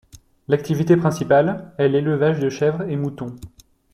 L'activité principale est l'élevage de chèvres et moutons.